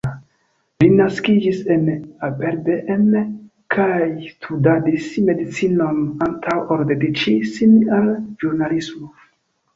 Li naskiĝis en Aberdeen, kaj studadis medicinon antaŭ ol dediĉi sin al ĵurnalismo.